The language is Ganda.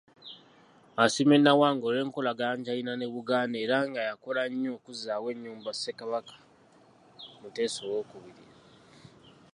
Asiimye Nawangwe olw'enkolagana gy'alina ne Buganda era ng'eyakola nnyo okuzzaawo ennyumba Ssekabaka Muteesa II.